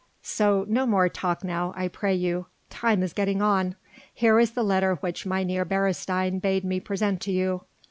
So no more talk now, I pray you. Time is getting on. Here is the letter which Mynheer Beresteyn bade me present to you."